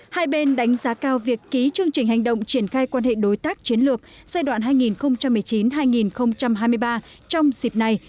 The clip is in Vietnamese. hai bên đánh giá cao việc ký chương trình hành động triển khai quan hệ đối tác chiến lược giai đoạn hai nghìn một mươi chín hai nghìn hai mươi ba trong dịp này